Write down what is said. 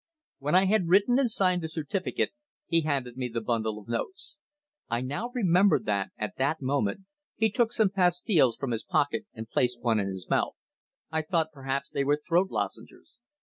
When I had written and signed the certificate, he handed me the bundle of notes. I now remember that, at that moment, he took some pastilles from his pocket and placed one in his mouth. I thought perhaps they were throat lozenges.